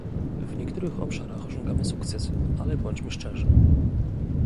W niektórych obszarach osiągamy sukcesy, ale bądźmy szczerzy